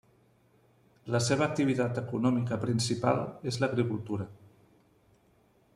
La seva activitat econòmica principal és l'agricultura.